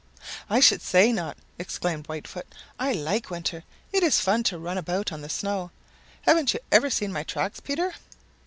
"I should say not!" exclaimed Whitefoot. "I like winter. It is fun to run about on the snow. Haven't you ever seen my tracks, Peter?"